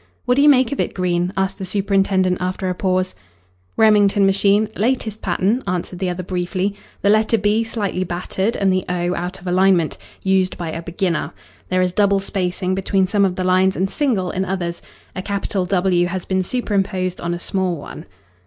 "What do you make of it, Green?" asked the superintendent after a pause. "Remington machine, latest pattern," answered the other briefly. "The letter 'b' slightly battered, and the 'o' out of alignment. Used by a beginner. There is double spacing between some of the lines and single in others. A capital 'W' has been superimposed on a small one."